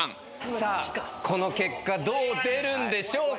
さあこの結果どう出るんでしょうか？